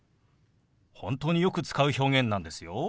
本当によく使う表現なんですよ。